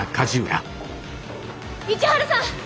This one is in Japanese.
市原さん！